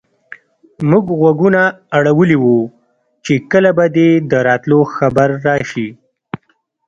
موږ غوږونه اړولي وو چې کله به دې د راتلو خبر راشي.